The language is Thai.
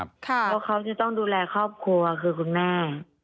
เพราะเขาจะต้องดูแลครอบครัวคือคุณแม่